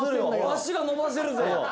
足が伸ばせるぜ。